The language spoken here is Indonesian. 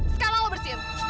sekarang lo bersihin